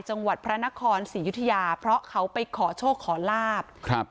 จังหวัดพระนครศรียุธยาเพราะเขาไปขอโชคขอลาบครับ